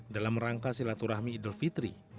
dalam rangka silaturahmi idul fitri